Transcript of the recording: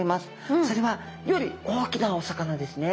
それはより大きなお魚ですね。